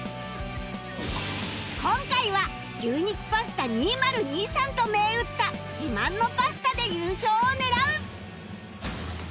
今回は牛肉パスタ２０２３と銘打った自慢のパスタで優勝を狙う！